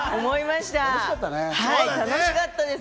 楽しかったです！